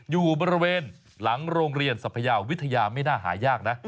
อยู่บริเวณหลังโรงเรียนสัพยาวิทยาไม่น่าหายากนะ